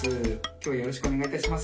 今日よろしくお願いいたします。